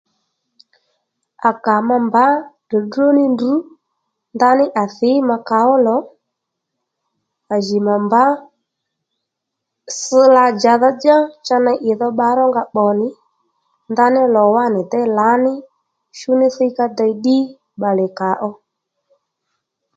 À kà ma mbǎ dròdró ní ndrǔ ndaní à thǐ mà kàó lò à jì mà mbǎ ss la-dzàdha-djá cha ney ì dho bba rónga pbò nì ndaní lò wánì déy lǎní shúní thíy ká dey ddí bbalè kàó